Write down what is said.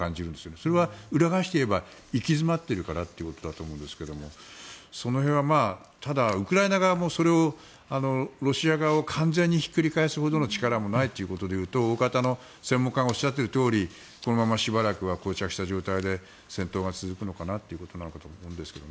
それは裏返していえば行き詰まっているからということだと思うんですがただ、ウクライナ側もロシア側を完全にひっくり返すほどの力もないということで言うと大方の専門家が言っているとおりこのまましばらくはこう着した状態で戦闘が続くということなのかなと思うんですが。